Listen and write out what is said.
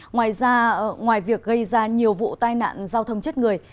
ngoài việc gây ra nhiều vụ tai nạn giao thông chết người